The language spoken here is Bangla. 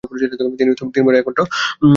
তিনি তিন বোনের একমাত্র ভাই ছিলেন।